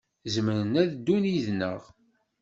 Zemren ad ddun yid-neɣ.